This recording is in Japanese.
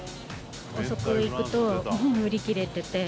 遅く行くと売り切れてて。